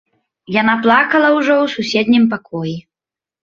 Яна плакала ўжо ў суседнім пакоі.